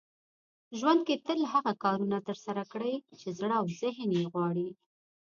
ژوند کې تل هغه کارونه ترسره کړئ چې زړه او ذهن يې غواړي .